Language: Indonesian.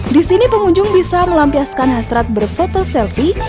di sini pengunjung bisa melampiaskan hasrat berfoto selfie